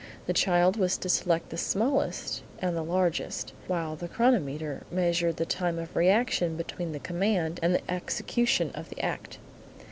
The child was to select the smallest and the largest, while the chronometer measured the time of reaction between the command and the execution of the act.